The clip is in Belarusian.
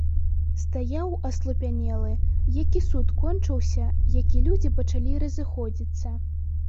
Стаяў, аслупянелы, як і суд кончыўся, як і людзі пачалі разыходзіцца.